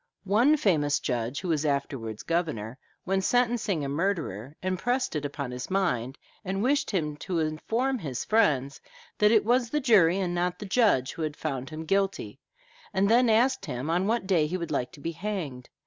One famous judge, who was afterwards governor, when sentencing a murderer, impressed it upon his mind, and wished him to inform his friends, that it was the jury and not the judge who had found him guilty, and then asked him on what day he would like to be hanged.